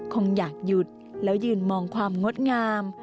คงอยากหยุดแล้วยืนมองความงดงาม